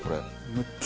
めっちゃ。